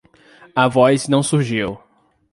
A voz não surgiu.